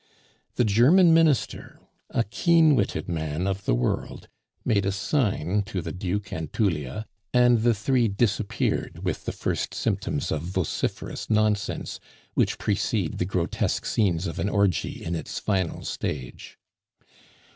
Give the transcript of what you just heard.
The German Minister, a keen witted man of the world, made a sign to the Duke and Tullia, and the three disappeared with the first symptoms of vociferous nonsense which precede the grotesque scenes of an orgy in its final stage.